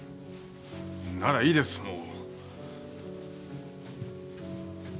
ならいいですもう。